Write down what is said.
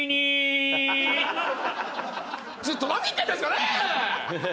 ちょっと何言ってるんですかね？